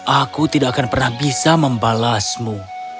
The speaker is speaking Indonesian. aku tidak akan pernah bisa membalasmu